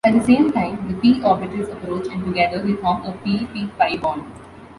At the same time the p-orbitals approach and together they form a p-p pi-bond.